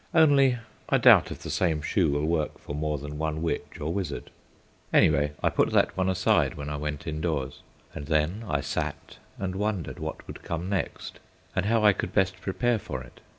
Only I doubt if the same shoe will work for more than one witch or wizard. Anyway, I put that one aside when I went indoors. And then I sat and wondered what would come next, and how I could best prepare for it.